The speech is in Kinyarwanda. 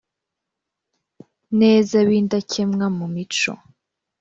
neza b indakemwa mu mico